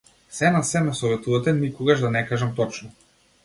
Сѐ на сѐ, ме советувате никогаш да не кажам точно?